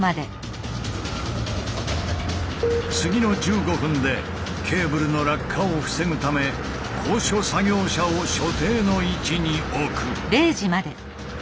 次の１５分でケーブルの落下を防ぐため高所作業車を所定の位置に置く。